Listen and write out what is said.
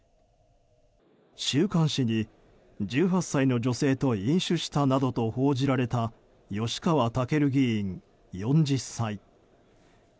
週刊誌に１８歳の女性と飲酒したなどと報じられた吉川赳議員、４０歳。